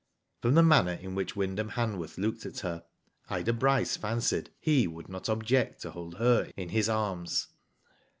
From the manner in which Wyndham Hanworth looked at her, Ida Bryce fancied he would not object to hold her in his arms.